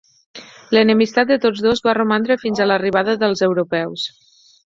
L'enemistat de tots dos va romandre fins a l'arribada dels europeus.